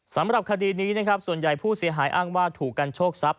สำหรับคดีนี้ส่วนใหญ่ผู้เสียหายอ้างว่าถูกกันโชคสาร